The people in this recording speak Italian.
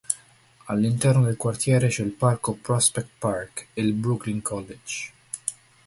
All'interno del quartiere c'è il parco Prospect Park e il Brooklyn College.